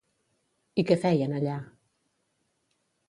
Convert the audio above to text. I què feien allà?